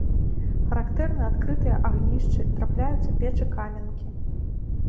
Характэрны адкрытыя агнішчы, трапляюцца печы-каменкі.